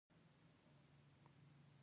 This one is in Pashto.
پرون په کاڼ کې ږلۍ اورېدلې وه